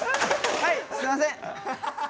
はいすいません。